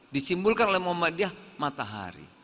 disimbolkan oleh muhammadiyah matahari